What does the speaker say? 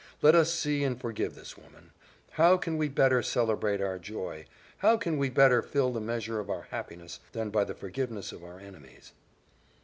Let us see and forgive this woman. How can we better celebrate our joy how can we better fill the measure of our happiness, than by the forgiveness of our enemies?"